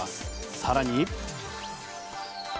更に。